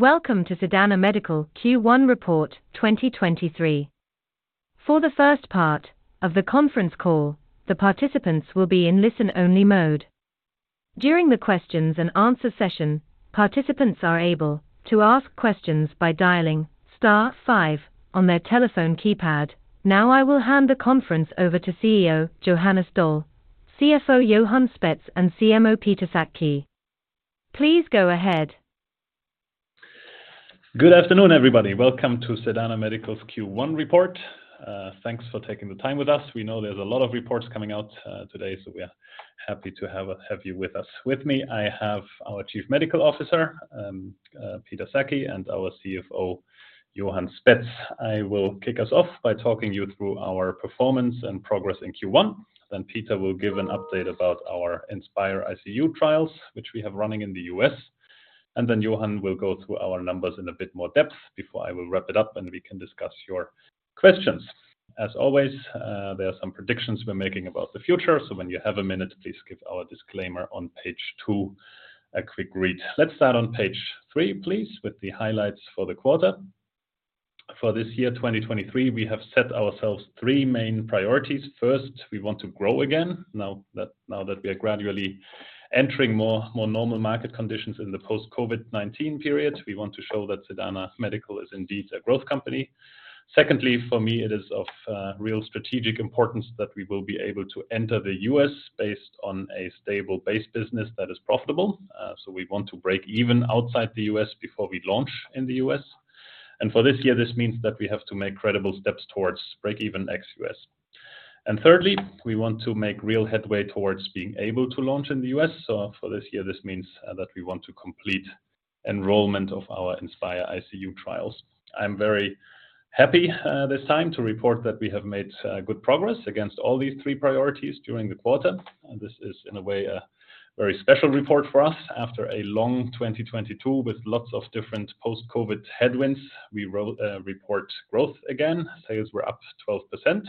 Welcome to Sedana Medical Q1 Report 2023. For the first part of the conference call, the participants will be in listen-only mode. During the questions and answer session, participants are able to ask questions by dialing star five on their telephone keypad. I will hand the conference over to CEO, Johannes Doll, CFO, Johan Spetz, and CMO, Peter Sackey. Please go ahead. Good afternoon, everybody. Welcome to Sedana Medical's Q1 report. Thanks for taking the time with us. We know there's a lot of reports coming out today, we are happy to have you with us. With me, I have our Chief Medical Officer, Peter Sackey, and our CFO, Johan Spetz. I will kick us off by talking you through our performance and progress in Q1. Peter will give an update about our INSPiRE-ICU trials, which we have running in the U.S. Johan will go through our numbers in a bit more depth before I will wrap it up. We can discuss your questions. As always, there are some predictions we're making about the future. When you have a minute, please give our disclaimer on page two a quick read. Let's start on page three, please, with the highlights for the quarter. For this year, 2023, we have set ourselves three main priorities. First, we want to grow again. Now that we are gradually entering more normal market conditions in the post-COVID-19 period, we want to show that Sedana Medical is indeed a growth company. Secondly, for me, it is of real strategic importance that we will be able to enter the U.S. based on a stable base business that is profitable. We want to break even outside the U.S. before we launch in the U.S. For this year, this means that we have to make credible steps towards break-even ex-US. Thirdly, we want to make real headway towards being able to launch in the U.S. For this year, this means that we want to complete enrollment of our INSPiRE-ICU trials. I'm very happy this time to report that we have made good progress against all these three priorities during the quarter. This is, in a way, a very special report for us. After a long 2022 with lots of different post-COVID headwinds, we report growth again. Sales were up 12%, 5%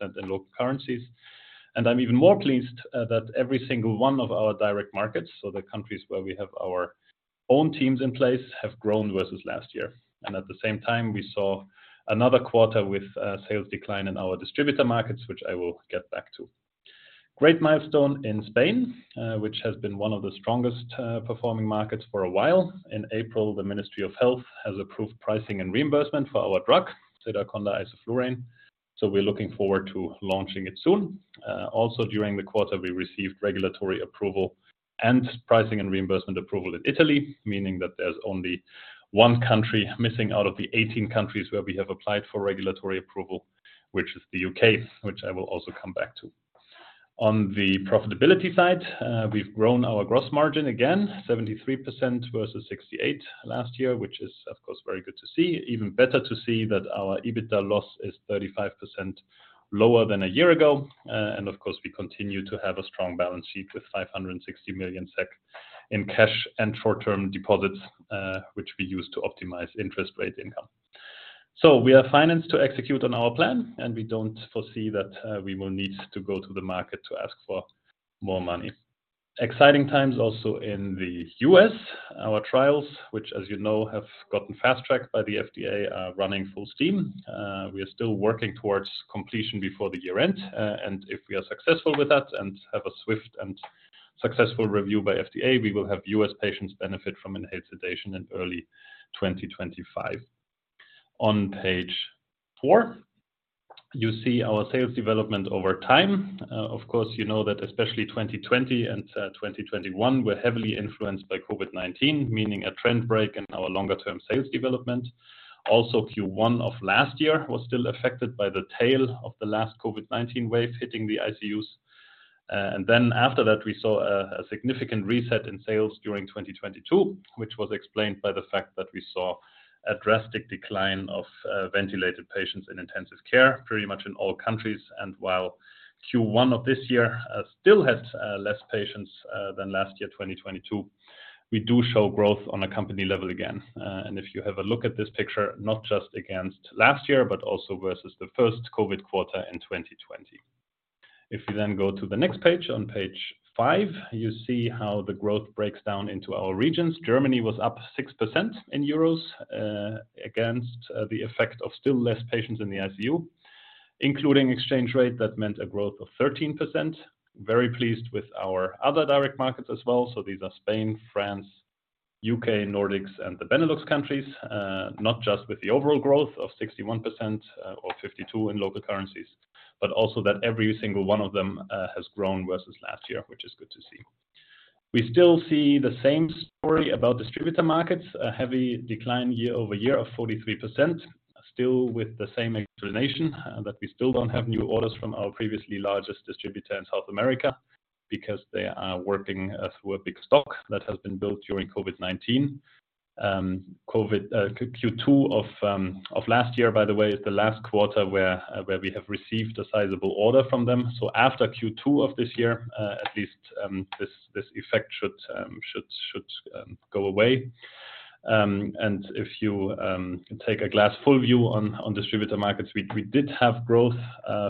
in local currencies. I'm even more pleased that every single one of our direct markets, so the countries where we have our own teams in place, have grown versus last year. At the same time, we saw another quarter with sales decline in our distributor markets, which I will get back to. Great milestone in Spain, which has been one of the strongest performing markets for a while. In April, the Ministry of Health has approved pricing and reimbursement for our drug, Sedaconda isoflurane, we're looking forward to launching it soon. Also during the quarter, we received regulatory approval and pricing and reimbursement approval in Italy, meaning that there's only one country missing out of the 18 countries where we have applied for regulatory approval, which is the U.K., which I will also come back to. On the profitability side, we've grown our gross margin again, 73% versus 68% last year, which is, of course, very good to see. Even better to see that our EBITDA loss is 35% lower than a year ago. We continue to have a strong balance sheet with 560 million SEK in cash and short-term deposits, which we use to optimize interest rate income. We are financed to execute on our plan, and we don't foresee that we will need to go to the market to ask for more money. Exciting times also in the US. Our trials, which as you know, have gotten Fast Tracked by the FDA, are running full steam. We are still working towards completion before the year-end. If we are successful with that and have a swift and successful review by FDA, we will have US patients benefit from enhanced sedation in early 2025. On page four, you see our sales development over time. Of course, you know that especially 2020 and 2021 were heavily influenced by COVID-19, meaning a trend break in our longer-term sales development. Also, Q1 of last year was still affected by the tail of the last COVID-19 wave hitting the ICUs. After that, we saw a significant reset in sales during 2022, which was explained by the fact that we saw a drastic decline of ventilated patients in intensive care, pretty much in all countries. While Q1 of this year, still has less patients than last year, 2022, we do show growth on a company level again. If you have a look at this picture, not just against last year, but also versus the first COVID quarter in 2020. You then go to the next page, on page five, you see how the growth breaks down into our regions. Germany was up 6% in EUR, against the effect of still less patients in the ICU. Including exchange rate, that meant a growth of 13%. Very pleased with our other direct markets as well. These are Spain, France, UK, Nordics, and the Benelux countries. Not just with the overall growth of 61%, or 52% in local currencies, but also that every single one of them has grown versus last year, which is good to see. We still see the same story about distributor markets, a heavy decline year-over-year of 43%. Still with the same explanation, that we still don't have new orders from our previously largest distributor in South America because they are working through a big stock that has been built during COVID-19. Q2 of last year, by the way, is the last quarter where we have received a sizable order from them. After Q2 of this year, at least, this effect should go away. If you take a glass full view on distributor markets, we did have growth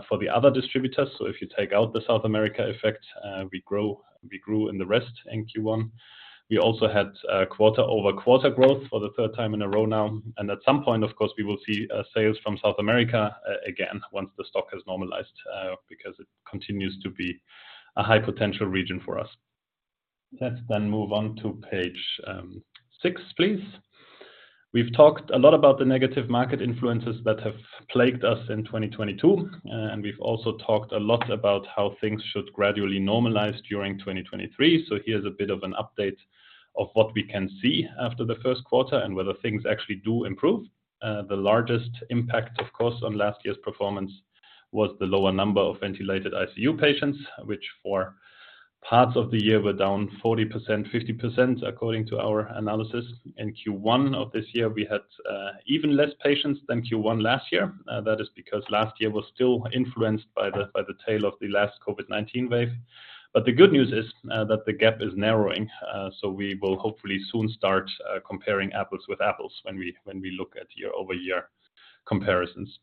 for the other distributors. If you take out the South America effect, we grew in the rest in Q1. We also had quarter-over-quarter growth for the third time in a row now. At some point, of course, we will see sales from South America again once the stock has normalized because it continues to be a high potential region for us. Let's move on to page six, please. We've talked a lot about the negative market influences that have plagued us in 2022, and we've also talked a lot about how things should gradually normalize during 2023. Here's a bit of an update of what we can see after the first quarter and whether things actually do improve. The largest impact, of course, on last year's performance was the lower number of ventilated ICU patients, which for parts of the year were down 40%, 50% according to our analysis. In Q1 of this year, we had even less patients than Q1 last year. That is because last year was still influenced by the tail of the last COVID-19 wave. The good news is that the gap is narrowing. We will hopefully soon start comparing apples with apples when we look at year-over-year comparisons.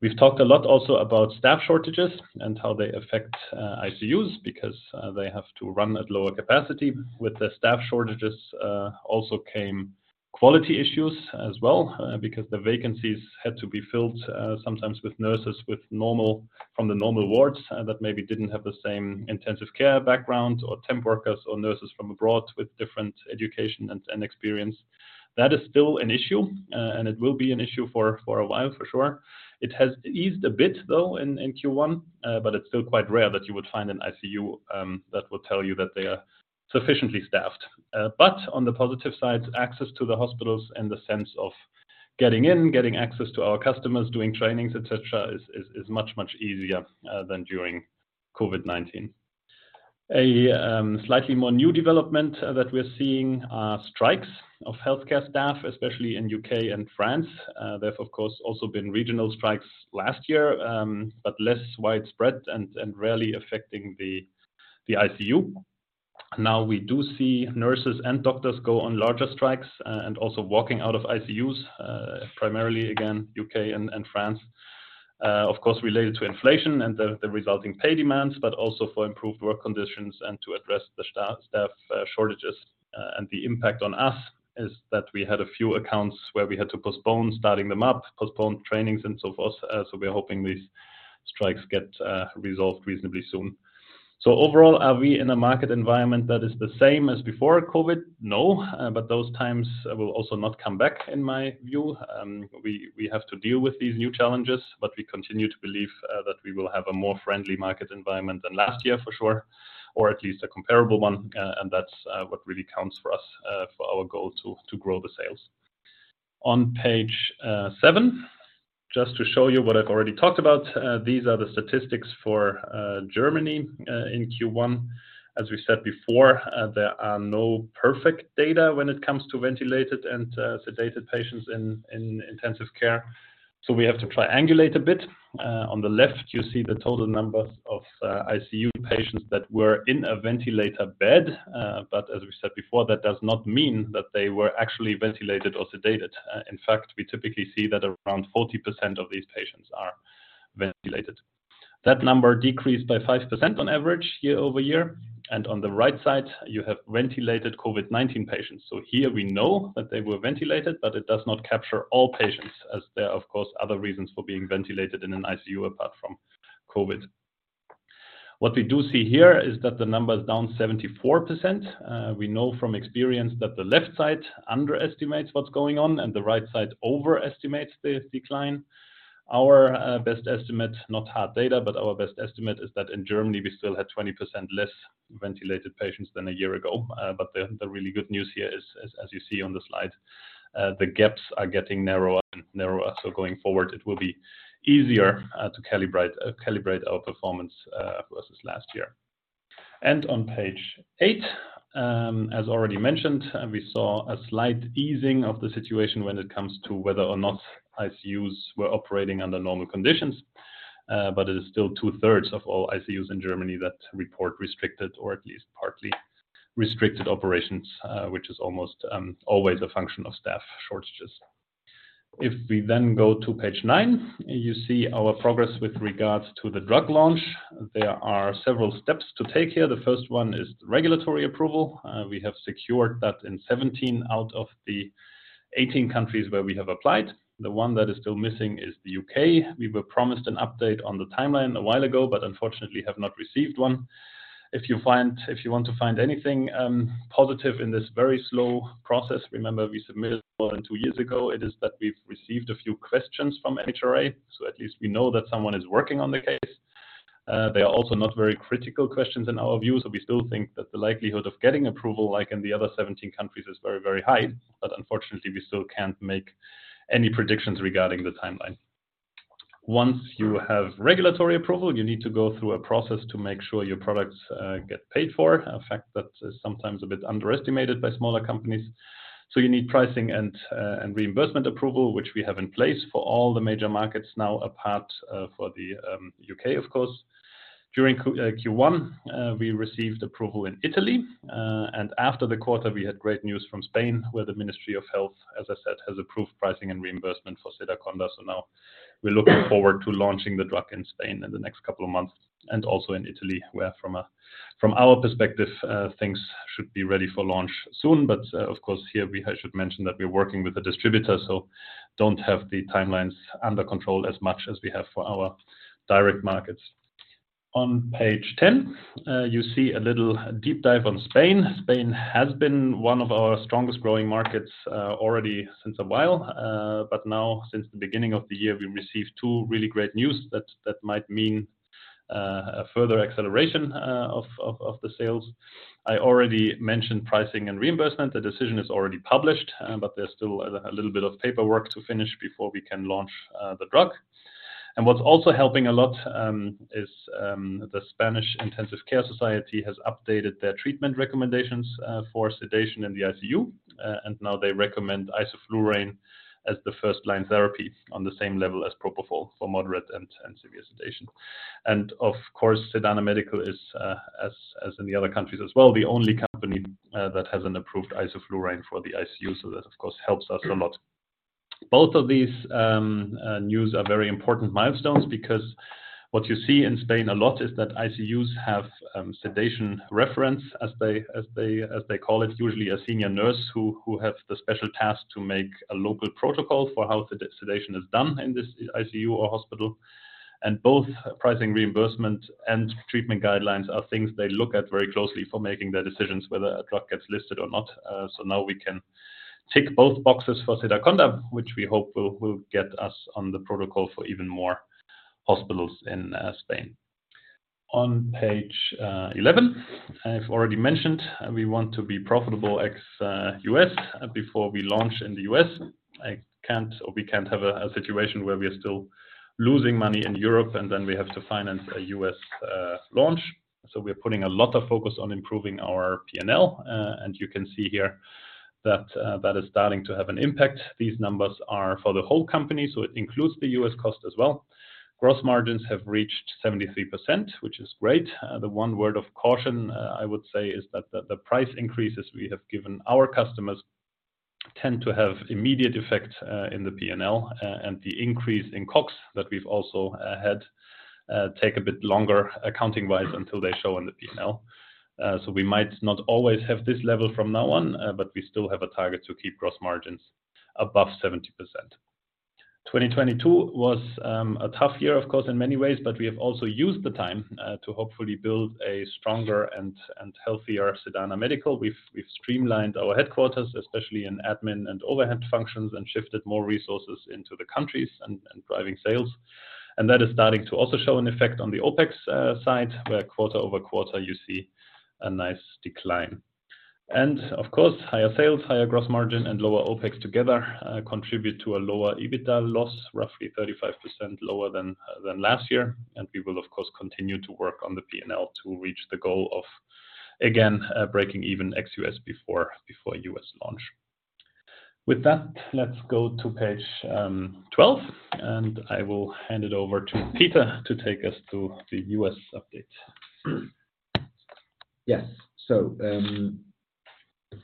We've talked a lot also about staff shortages and how they affect ICUs because they have to run at lower capacity. With the staff shortages also came quality issues as well because the vacancies had to be filled sometimes with nurses from the normal wards that maybe didn't have the same intensive care background or temp workers or nurses from abroad with different education and experience. That is still an issue, and it will be an issue for a while for sure. It has eased a bit though in Q1. It's still quite rare that you would find an ICU that will tell you that they are sufficiently staffed. On the positive side, access to the hospitals in the sense of getting in, getting access to our customers, doing trainings, et cetera, is much, much easier than during COVID-19. A slightly more new development that we're seeing are strikes of healthcare staff, especially in UK and France. There have of course also been regional strikes last year, less widespread and rarely affecting the ICU. Now we do see nurses and doctors go on larger strikes, and also walking out of ICUs, primarily again, U.K. and France, of course related to inflation and the resulting pay demands, but also for improved work conditions and to address the staff shortages. The impact on us is that we had a few accounts where we had to postpone starting them up, postpone trainings and so forth. We are hoping these strikes get resolved reasonably soon. Overall, are we in a market environment that is the same as before COVID? No. Those times will also not come back, in my view. We have to deal with these new challenges. We continue to believe that we will have a more friendly market environment than last year for sure, or at least a comparable one. That's what really counts for us for our goal to grow the sales. On page seven, just to show you what I've already talked about, these are the statistics for Germany in Q1. As we said before, there are no perfect data when it comes to ventilated and sedated patients in intensive care. We have to triangulate a bit. On the left, you see the total numbers of ICU patients that were in a ventilator bed. As we said before, that does not mean that they were actually ventilated or sedated. In fact, we typically see that around 40% of these patients are ventilated. That number decreased by 5% on average year-over-year. On the right side, you have ventilated COVID-19 patients. Here we know that they were ventilated, but it does not capture all patients as there are of course, other reasons for being ventilated in an ICU apart from COVID. What we do see here is that the number is down 74%. We know from experience that the left side underestimates what's going on, and the right side overestimates the decline. Our best estimate, not hard data, but our best estimate is that in Germany we still had 20% less ventilated patients than a year ago. The really good news here is as you see on the slide, the gaps are getting narrower and narrower. Going forward, it will be easier to calibrate our performance versus last year. On page eight, as already mentioned, we saw a slight easing of the situation when it comes to whether or not ICUs were operating under normal conditions. It is still two-thirds of all ICUs in Germany that report restricted or at least partly restricted operations, which is almost always a function of staff shortages. If we then go to page nine, you see our progress with regards to the drug launch. There are several steps to take here. The first one is the regulatory approval. We have secured that in 17 out of the 18 countries where we have applied. The one that is still missing is the U.K., we were promised an update on the timeline a while ago, but unfortunately have not received one. If you want to find anything positive in this very slow process, remember we submitted more than two years ago, it is that we've received a few questions from MHRA, so at least we know that someone is working on the case. They are also not very critical questions in our view, so we still think that the likelihood of getting approval like in the other 17 countries is very, very high. Unfortunately, we still can't make any predictions regarding the timeline. Once you have regulatory approval, you need to go through a process to make sure your products get paid for, a fact that is sometimes a bit underestimated by smaller companies. You need pricing and reimbursement approval, which we have in place for all the major markets now apart for the U.K., of course. During Q1, we received approval in Italy, and after the quarter, we had great news from Spain, where the Ministry of Health, as I said, has approved pricing and reimbursement for Sedaconda. Now we're looking forward to launching the drug in Spain in the next couple of months, and also in Italy, where from our perspective, things should be ready for launch soon. Of course, here should mention that we're working with the distributor, so don't have the timelines under control as much as we have for our direct markets. On Page 10, you see a little deep dive on Spain. Spain has been one of our strongest growing markets already since a while. Now since the beginning of the year, we've received two really great news that might mean a further acceleration of the sales. I already mentioned pricing and reimbursement. The decision is already published, but there's still a little bit of paperwork to finish before we can launch the drug. What's also helping a lot is the Spanish Intensive Care Society has updated their treatment recommendations for sedation in the ICU, and now they recommend isoflurane as the first-line therapy on the same level as propofol for moderate and severe sedation. Of course, Sedana Medical is, as in the other countries as well, the only company that has an approved isoflurane for the ICU. That, of course, helps us a lot. Both of these news are very important milestones because what you see in Spain a lot is that ICUs have sedation reference as they call it, usually a senior nurse who have the special task to make a local protocol for how sedation is done in this ICU or hospital. Both pricing, reimbursement, and treatment guidelines are things they look at very closely for making their decisions whether a drug gets listed or not. Now we can tick both boxes for Sedaconda, which we hope will get us on the protocol for even more hospitals in Spain. On Page 11, I've already mentioned we want to be profitable ex U.S. before we launch in the US. I can't or we can't have a situation where we are still losing money in Europe. We have to finance a US launch. We're putting a lot of focus on improving our P&L, and you can see here that that is starting to have an impact. These numbers are for the whole company, so it includes the US cost as well. Gross margins have reached 73%, which is great. The one word of caution, I would say is that the price increases we have given our customers tend to have immediate effect in the P&L. The increase in COGS that we've also had take a bit longer accounting-wise until they show in the P&L. We might not always have this level from now on, but we still have a target to keep gross margins above 70%. 2022 was a tough year, of course, in many ways, we have also used the time to hopefully build a stronger and healthier Sedana Medical. We've streamlined our headquarters, especially in admin and overhead functions, and shifted more resources into the countries and driving sales. That is starting to also show an effect on the OpEx side, where quarter-over-quarter, you see a nice decline. Of course, higher sales, higher gross margin, and lower OpEx together contribute to a lower EBITDA loss, roughly 35% lower than last year. We will of course, continue to work on the P&L to reach the goal of again, breaking even ex-US before US launch. With that, let's go to Page 12, and I will hand it over to Peter to take us through the US update. Yes.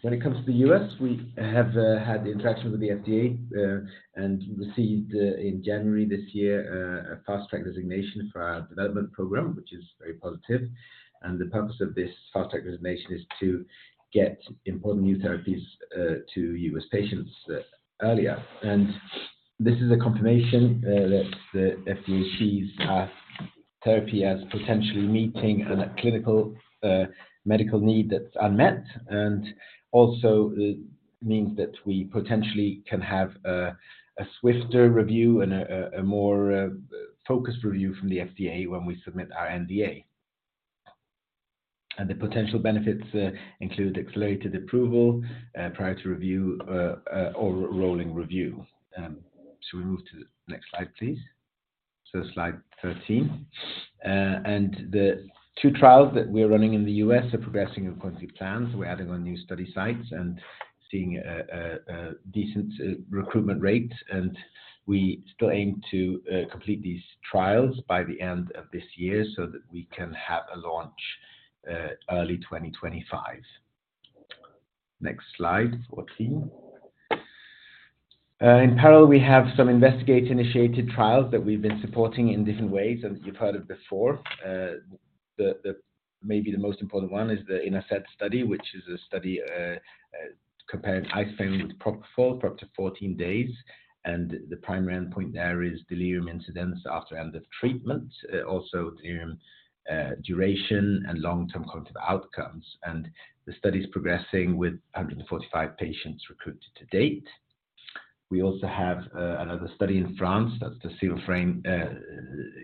When it comes to the U.S., we have had interaction with the FDA and received in January this year a Fast Track designation for our development program, which is very positive. The purpose of this Fast Track designation is to get important new therapies to U.S. patients earlier. This is a confirmation that the FDA sees our therapy as potentially meeting a clinical medical need that's unmet, and also it means that we potentially can have a swifter review and a more focused review from the FDA when we submit our NDA. The potential benefits include accelerated approval prior to review or rolling review. Should we move to the next slide, please? Slide 13. The two trials that we're running in the U.S. are progressing according to plan. We're adding on new study sites and seeing a decent recruitment rate. We still aim to complete these trials by the end of this year so that we can have a launch early 2025. Next slide, 14. In parallel, we have some investigator-initiated trials that we've been supporting in different ways, and you've heard it before. Maybe the most important one is the INASED study, which is a study comparing isoflurane with propofol for up to 14 days. The primary endpoint there is delirium incidence after end of treatment, also delirium duration and long-term cognitive outcomes. The study is progressing with 145 patients recruited to date. We also have another study in France. That's the SESAR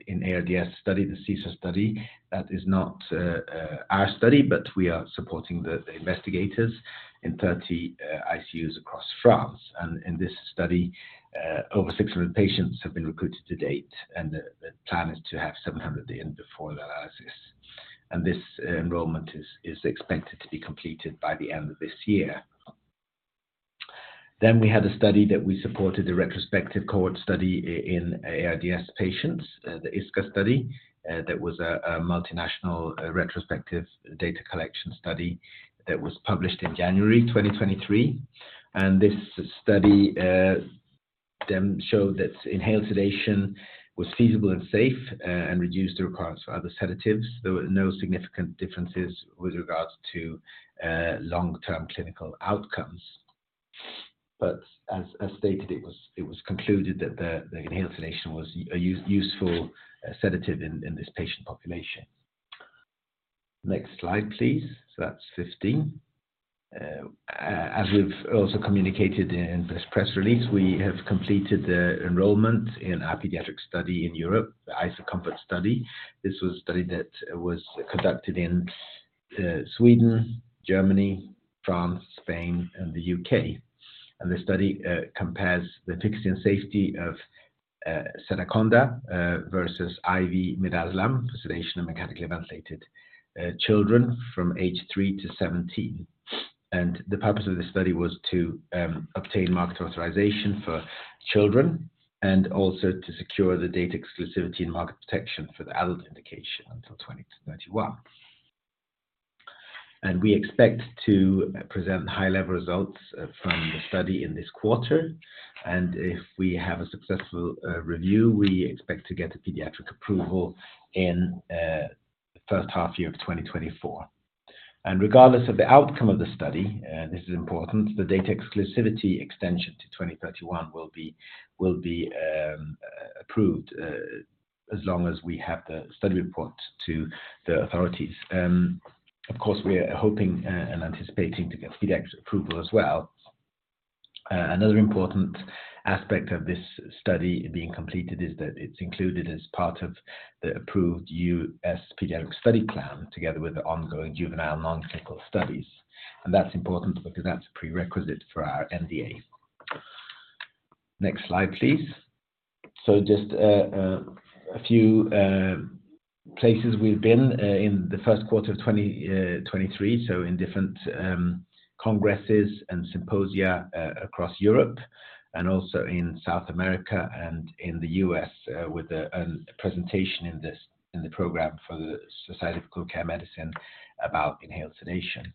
in ARDS study, the CESAR study. That is not our study, but we are supporting the investigators in 30 ICUs across France. In this study, over 600 patients have been recruited to date, and the plan is to have 700 at the end before the analysis. This enrollment is expected to be completed by the end of this year. We had a study that we supported, a retrospective cohort study in ARDS patients, the ISCA study, that was a multinational retrospective data collection study that was published in January 2023. This study then showed that inhaled sedation was feasible and safe and reduced the requirements for other sedatives. There were no significant differences with regards to long-term clinical outcomes. As stated, it was concluded that the inhaled sedation was a useful sedative in this patient population. Next slide, please. That's 15. As we've also communicated in this press release, we have completed the enrollment in our pediatric study in Europe, the IsoCOMFORT study. This was a study that was conducted in Sweden, Germany, France, Spain, and the U.K. The study compares the efficacy and safety of Sedaconda versus IV midazolam for sedation of mechanically ventilated children from age 3 to 17. The purpose of this study was to obtain market authorization for children and also to secure the data exclusivity and market protection for the adult indication until 2031. We expect to present high-level results from the study in this quarter. If we have a successful review, we expect to get the pediatric approval in the first half year of 2024. Regardless of the outcome of the study, and this is important, the data exclusivity extension to 2031 will be approved as long as we have the study report to the authorities. Of course, we are hoping and anticipating to get pediatric approval as well. Another important aspect of this study being completed is that it's included as part of the approved US Pediatric Study Plan together with the ongoing juvenile non-clinical studies. That's important because that's a prerequisite for our NDA. Next slide, please. Just a few places we've been in the first quarter of 2023, so in different congresses and symposia across Europe, and also in South America and in the U.S., with a presentation in the program for the Society of Critical Care Medicine about inhaled sedation.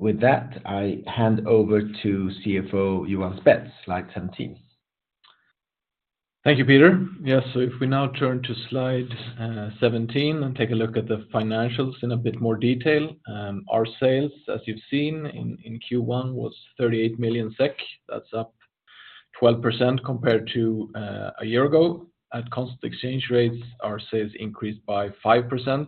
With that, I hand over to CFO, Johan Spetz. Slide 17. Thank you, Peter. Yes. If we now turn to slide 17 and take a look at the financials in a bit more detail. Our sales, as you've seen in Q1, was 38 million SEK. That's up 12% compared to a year ago. At constant exchange rates, our sales increased by 5%.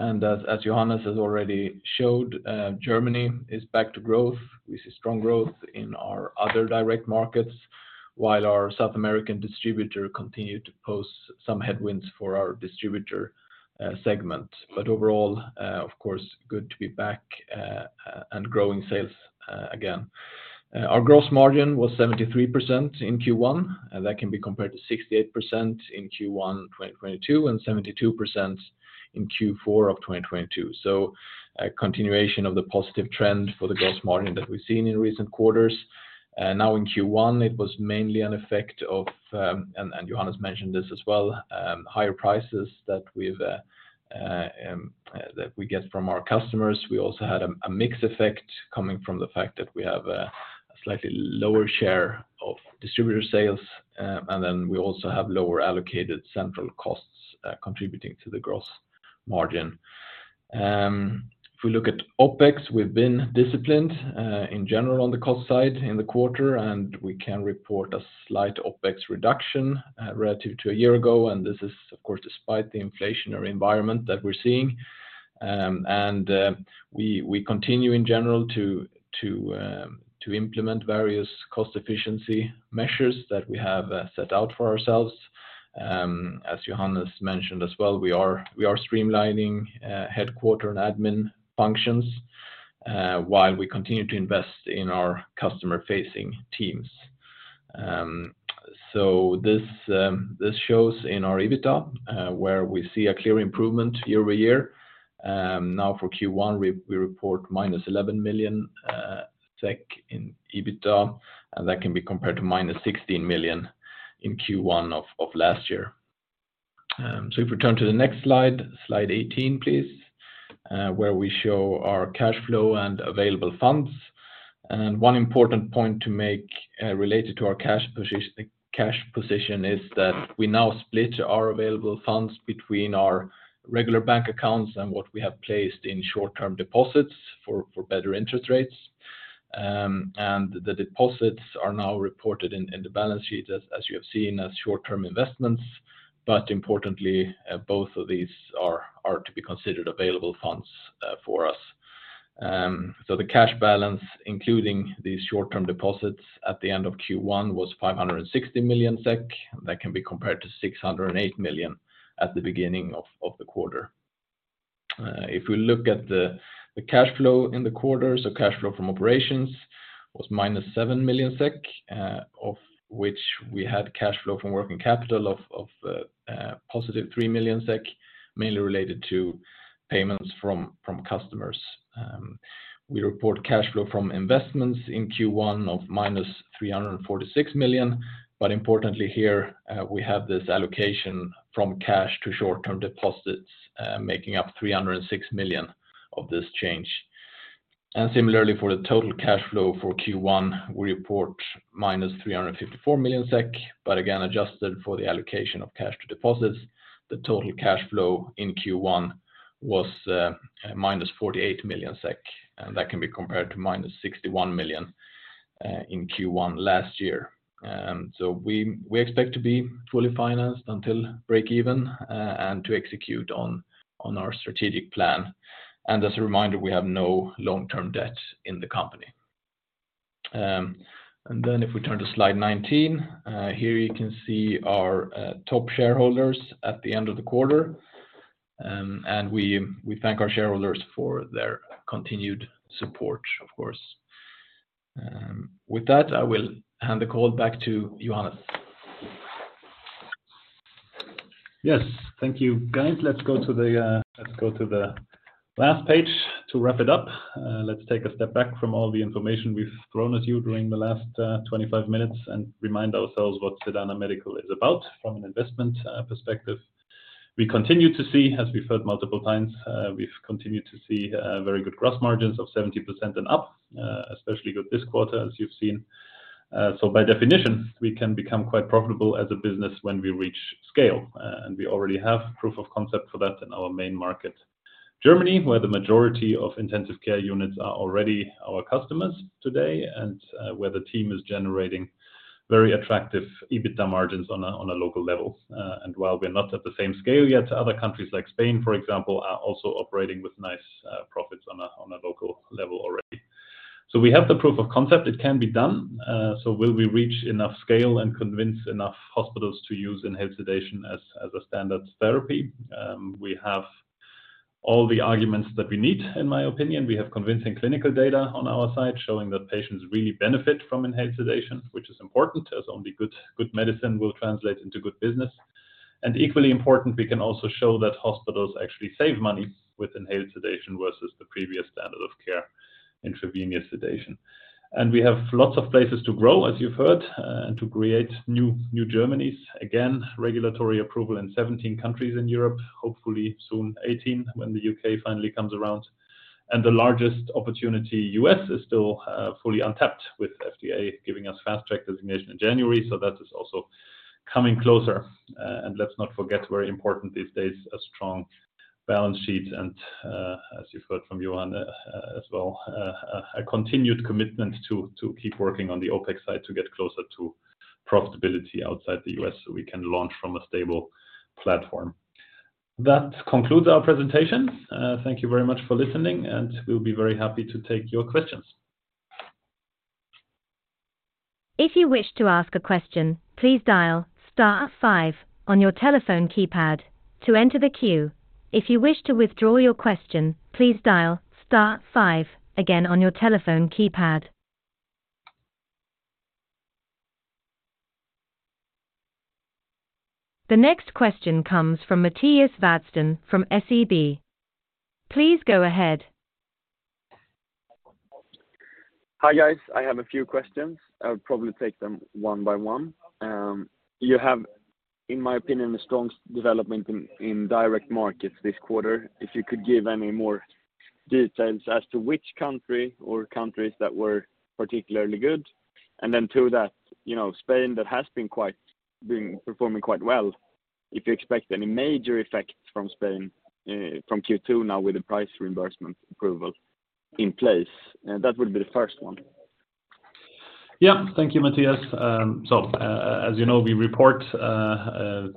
As Johannes has already showed, Germany is back to growth. We see strong growth in our other direct markets, while our South American distributor continued to pose some headwinds for our distributor segment. Overall, of course, good to be back and growing sales again. Our gross margin was 73% in Q1, and that can be compared to 68% in Q1 2022, and 72% in Q4 of 2022. A continuation of the positive trend for the gross margin that we've seen in recent quarters. Now in Q1, it was mainly an effect of, and Johannes mentioned this as well, higher prices that we've that we get from our customers. We also had a mix effect coming from the fact that we have a slightly lower share of distributor sales, and then we also have lower allocated central costs contributing to the gross margin. If we look at OpEx, we've been disciplined in general on the cost side in the quarter, and we can report a slight OpEx reduction relative to a year ago. This is, of course, despite the inflationary environment that we're seeing. We continue in general to implement various cost efficiency measures that we have set out for ourselves. As Johannes mentioned as well, we are streamlining headquarter and admin functions while we continue to invest in our customer-facing teams. This shows in our EBITDA, where we see a clear improvement year-over-year. Now for Q1, we report minus 11 million SEK in EBITDA, and that can be compared to minus 16 million in Q1 of last year. If we turn to the next slide 18, please, where we show our cash flow and available funds. One important point to make related to our cash position is that we now split our available funds between our regular bank accounts and what we have placed in short-term deposits for better interest rates. The deposits are now reported in the balance sheet as you have seen as short-term investments. Importantly, both of these are to be considered available funds for us. The cash balance, including these short-term deposits at the end of Q1, was 560 million SEK. That can be compared to 608 million at the beginning of the quarter. If we look at the cash flow in the quarter, cash flow from operations was minus seven million SEK, of which we had cash flow from working capital of positive three million SEK, mainly related to payments from customers. We report cash flow from investments in Q1 of minus 346 million SEK. Importantly here, we have this allocation from cash to short-term deposits, making up 306 million SEK of this change. Similarly, for the total cash flow for Q1, we report minus 354 million SEK. Again, adjusted for the allocation of cash to deposits, the total cash flow in Q1 was minus 48 million SEK, that can be compared to minus 61 million SEK in Q1 last year. We expect to be fully financed until break even and to execute on our strategic plan. As a reminder, we have no long-term debt in the company. If we turn to slide 19, here you can see our top shareholders at the end of the quarter. We thank our shareholders for their continued support, of course. With that, I will hand the call back to Johannes. Yes. Thank you, guys. Let's go to the, let's go to the last page to wrap it up. Let's take a step back from all the information we've thrown at you during the last, 25 minutes and remind ourselves what Sedana Medical is about from an investment perspective. We continue to see, as we've heard multiple times, we've continued to see very good gross margins of 70% and up, especially good this quarter, as you've seen. So by definition, we can become quite profitable as a business when we reach scale. We already have proof of concept for that in our main market, Germany, where the majority of intensive care units are already our customers today, and where the team is generating very attractive EBITDA margins on a local level. While we're not at the same scale yet to other countries like Spain, for example, are also operating with nice profits on a local level already. We have the proof of concept it can be done. Will we reach enough scale and convince enough hospitals to use inhaled sedation as a standard therapy? We have all the arguments that we need, in my opinion. We have convincing clinical data on our side showing that patients really benefit from inhaled sedation, which is important, as only good medicine will translate into good business. Equally important, we can also show that hospitals actually save money with inhaled sedation versus the previous standard of care, intravenous sedation. We have lots of places to grow, as you've heard, and to create new Germanys. Again, regulatory approval in 17 countries in Europe, hopefully soon 18 when the U.K. finally comes around. The largest opportunity, U.S., is still fully untapped with FDA giving us Fast Track designation in January. That is also coming closer. Let's not forget, very important these days, a strong balance sheet. As you've heard from Johan as well, a continued commitment to keep working on the OpEx side to get closer to profitability outside the U.S. so we can launch from a stable platform. That concludes our presentation. Thank you very much for listening, and we'll be very happy to take your questions. If you wish to ask a question, please dial star five on your telephone keypad to enter the queue. If you wish to withdraw your question, please dial star five again on your telephone keypad. The next question comes from Mattias Vadsten from SEB. Please go ahead. Hi, guys. I have a few questions. I'll probably take them one by one. You have, in my opinion, a strong development in direct markets this quarter. If you could give any more details as to which country or countries that were particularly good. Then to that, you know, Spain that has been performing quite well. If you expect any major effects from Spain, from Q2f now with the price reimbursement approval in place. That would be the first one. Thank you, Mattias. As you know, we report the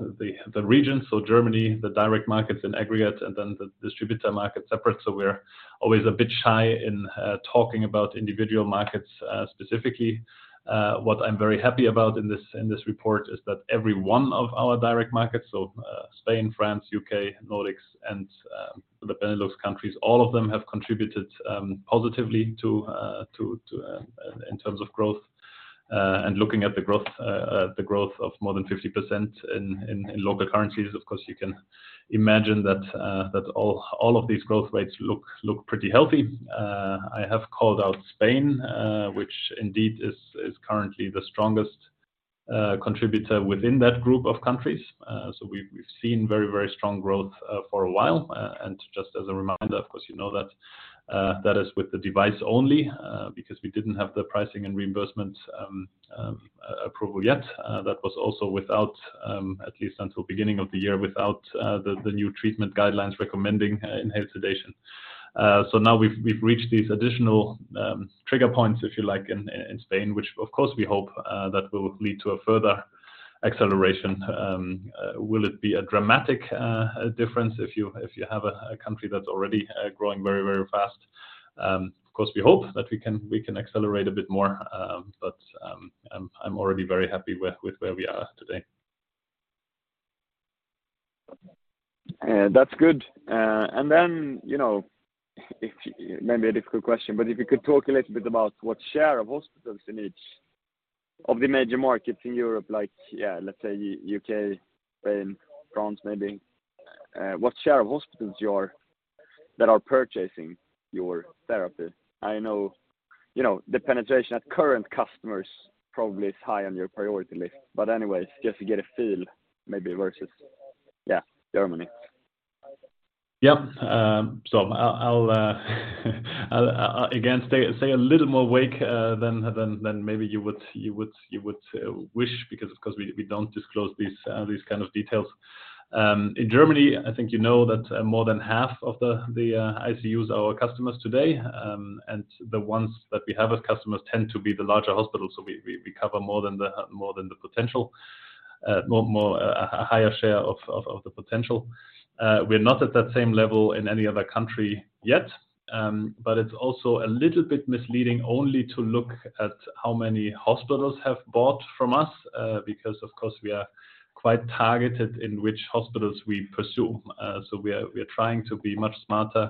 regions, Germany, the direct markets in aggregate, and then the distributor market separate. We're always a bit shy in talking about individual markets specifically. What I'm very happy about in this report is that every one of our direct markets, Spain, France, U.K., Nordics, and the Benelux countries, all of them have contributed positively to in terms of growth. Looking at the growth of more than 50% in local currencies. Of course, you can imagine that all of these growth rates look pretty healthy. I have called out Spain, which indeed is currently the strongest contributor within that group of countries. We've seen very, very strong growth for a while. Just as a reminder, of course, you know that is with the device only, because we didn't have the pricing and reimbursement approval yet. That was also without, at least until beginning of the year, without the new treatment guidelines recommending inhaled sedation. Now we've reached these additional trigger points, if you like, in Spain, which of course, we hope that will lead to a further acceleration. Will it be a dramatic difference if you have a country that's already growing very, very fast? Of course, we hope that we can accelerate a bit more, but I'm already very happy with where we are today. That's good. You know, maybe a difficult question, but if you could talk a little bit about what share of hospitals in each of the major markets in Europe, like, yeah, let's say U.K., Spain, France maybe, what share of hospitals that are purchasing your therapy. I know, you know, the penetration at current customers probably is high on your priority list. Anyways, just to get a feel maybe versus, yeah, Germany. Yeah. I'll again say a little more wake than maybe you would wish because, of course, we don't disclose these kind of details. In Germany, I think you know that more than half of the ICUs are our customers today. The ones that we have as customers tend to be the larger hospitals. We cover more than the potential, more, a higher share of the potential. We're not at that same level in any other country yet. It's also a little bit misleading only to look at how many hospitals have bought from us, because of course, we are quite targeted in which hospitals we pursue. We are trying to be much smarter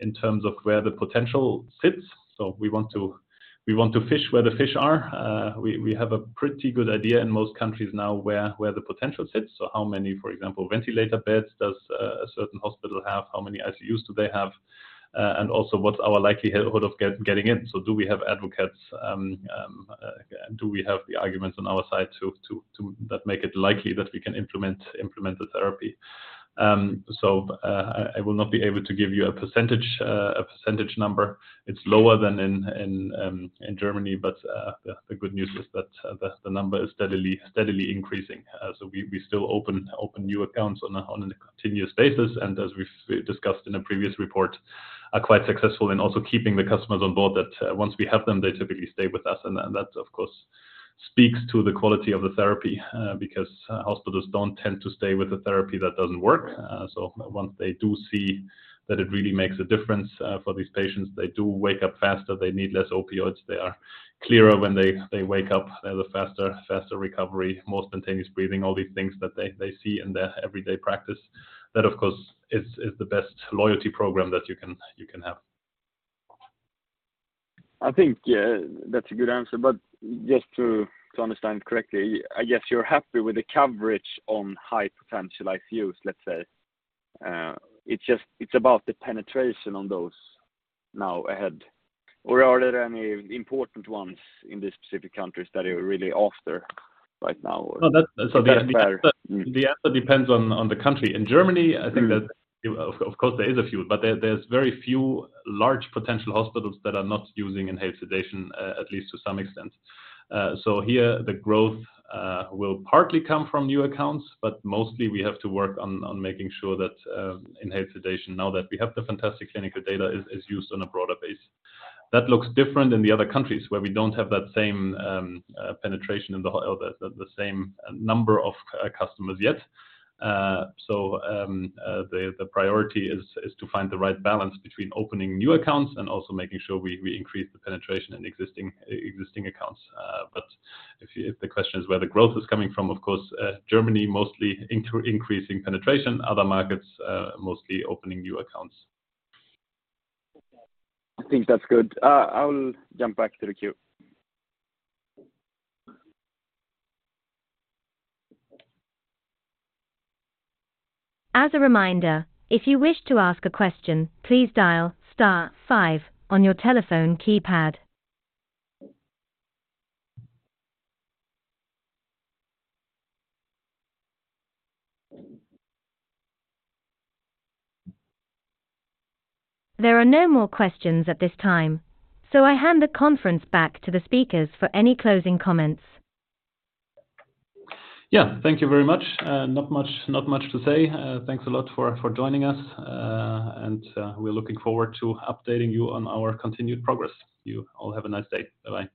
in terms of where the potential sits. We want to fish where the fish are. We have a pretty good idea in most countries now where the potential sits. How many, for example, ventilator beds does a certain hospital have? How many ICUs do they have? And also, what's our likelihood of getting in? Do we have advocates, do we have the arguments on our side that make it likely that we can implement the therapy? I will not be able to give you a percentage number. It's lower than in Germany. The good news is that the number is steadily increasing. We still open new accounts on a continuous basis, and as we've discussed in a previous report, are quite successful in also keeping the customers on board that once we have them, they typically stay with us. That of course speaks to the quality of the therapy because hospitals don't tend to stay with a therapy that doesn't work. Once they do see that it really makes a difference for these patients, they do wake up faster, they need less opioids, they are clearer when they wake up, they have a faster recovery, more spontaneous breathing, all these things that they see in their everyday practice. That, of course, is the best loyalty program that you can have. I think, yeah, that's a good answer. Just to understand correctly, I guess you're happy with the coverage on high potential ICUs, let's say. It's just, it's about the penetration on those now ahead. Are there any important ones in the specific countries that are really after right now? No, that's. That's. The answer depends on the country. In Germany. Mm-hmm I think that of course, there's very few large potential hospitals that are not using inhaled sedation, at least to some extent. Here the growth will partly come from new accounts, but mostly we have to work on making sure that inhaled sedation, now that we have the fantastic clinical data, is used on a broader base. That looks different in the other countries where we don't have that same penetration in the or the same number of customers yet. The priority is to find the right balance between opening new accounts and also making sure we increase the penetration in existing accounts. If the question is where the growth is coming from, of course, Germany mostly increasing penetration, other markets, mostly opening new accounts. I think that's good. I will jump back to the queue. As a reminder, if you wish to ask a question, please dial star five on your telephone keypad. There are no more questions at this time, I hand the conference back to the speakers for any closing comments. Yeah. Thank you very much. Not much, not much to say. Thanks a lot for joining us, and we're looking forward to updating you on our continued progress. You all have a nice day. Bye-bye